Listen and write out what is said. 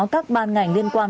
các ban ngành liên quan